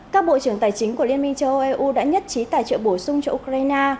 các bộ trưởng tài chính của liên minh châu âu eu đã nhất trí tài trợ bổ sung cho ukraine